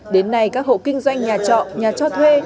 đến nay các hộ kinh doanh nhà trọ nhà cho thuê